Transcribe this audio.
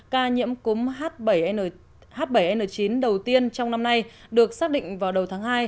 ca nhiễm cúm h bảy n chín đầu tiên trong năm nay được xác định vào đầu tháng hai